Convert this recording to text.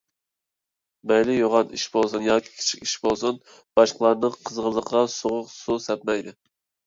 مەيلى يوغان ئىش بولسۇن ياكى كىچىك ئىش بولسۇن، باشقىلارنىڭ قىزغىنلىقىغا سوغۇق سۇ سەپمەيلى.